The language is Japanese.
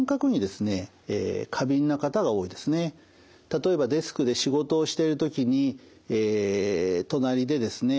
例えばデスクで仕事をしてる時に隣でですね